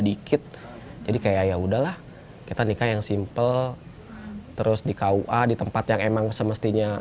dikit jadi kayak yaudahlah kita nikah yang simple terus di kua di tempat yang emang semestinya